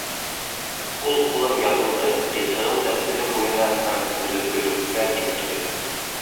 Һул ҡулым яҙылды, ризығым да төнө буйына һәм көндөҙгөлөккә етерлек.